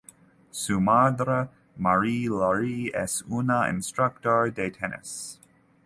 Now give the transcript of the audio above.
Su madre, Marie Laure, es una instructor de tenis.